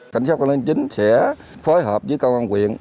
cảnh sát công an chính sẽ phối hợp với công an quyện